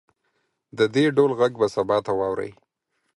د دې ډول غږ به سبا ته واورئ